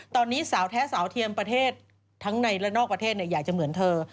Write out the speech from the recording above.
ตอนนี้สาวแท้สาวเทียมประเทศทั้งในและนอกประเทศอยากจะเหมือนเธอ